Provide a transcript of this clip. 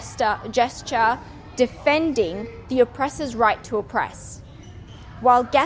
saya melihat pemimpin kita berpura pura mengejarkan hak hak penyelamatan